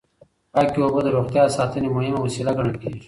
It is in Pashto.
پاکې اوبه د روغتیا د ساتنې مهمه وسیله ګڼل کېږي.